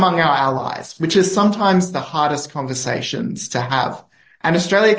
nasihat atau bantuan monetaris